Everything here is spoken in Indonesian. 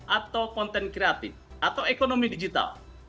atau konten kreatif atau ekonomi digital